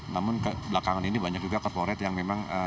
namun kebelakangan ini banyak juga corporate yang memang